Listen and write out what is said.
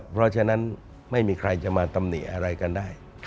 เพราะฉะนั้นไม่มีใครจะมาตำหนิอะไรกันได้